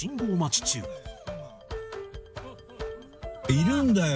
いるんだよ。